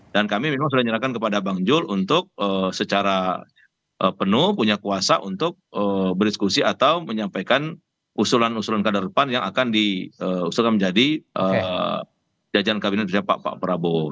dan kami memang sudah menyerahkan kepada bang jul untuk secara penuh punya kuasa untuk berdiskusi atau menyampaikan usulan usulan kader pan yang akan diusulkan menjadi jajanan kabinet dari pak prabowo